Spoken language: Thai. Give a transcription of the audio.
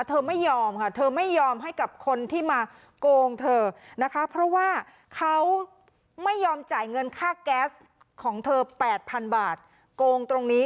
เธอไม่ยอมค่ะเธอไม่ยอมให้กับคนที่มาโกงเธอนะคะเพราะว่าเขาไม่ยอมจ่ายเงินค่าแก๊สของเธอ๘๐๐๐บาทโกงตรงนี้